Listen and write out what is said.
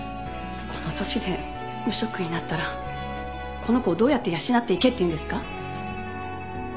この年で無職になったらこの子をどうやって養っていけっていうんですか？